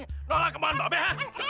udah berani nolak kemauan babek